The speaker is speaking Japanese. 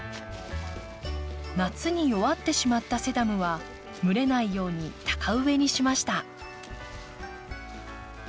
夏に弱ってしまったセダムは蒸れないように高植えにしました。